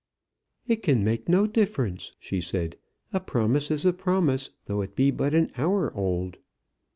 "It can make no difference," she said. "A promise is a promise, though it be but an hour old."